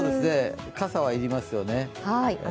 傘は、いりますよね。